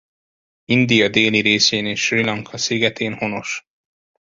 India déli részén és Srí Lanka szigetén honos.